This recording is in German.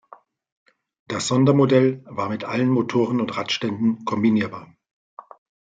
Das Sondermodell war mit allen Motoren und Radständen kombinierbar.